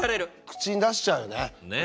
口に出しちゃうよね。